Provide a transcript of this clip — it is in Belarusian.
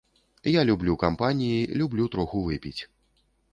Я люблю кампаніі, люблю троху выпіць.